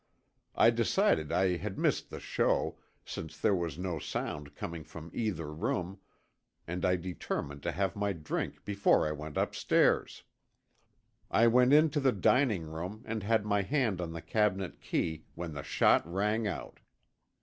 I decided I had missed the show, since there was no sound from either room, and I determined to have my drink before I went upstairs. I went in to the dining room and had my hand on the cabinet key when the shot rang out.